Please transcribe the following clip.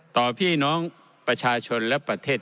ต่อพี่น้องประชาชนและประเทศ